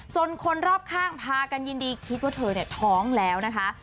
คนรอบข้างพากันยินดีคิดว่าเธอเนี่ยท้องแล้วนะคะ